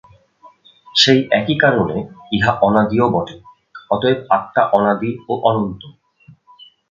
সেই একই কারণে ইহা অনাদিও বটে, অতএব আত্মা অনাদি ও অনন্ত।